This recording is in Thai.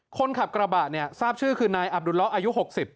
คนขับกระบะเนี่ยทราบชื่อคือนายอับดุลล้ออายุ๖๐